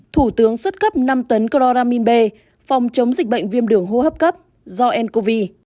thủ tướng xuất cấp năm tấn chloramin b phòng chống dịch bệnh viêm đường hô hấp cấp do ncov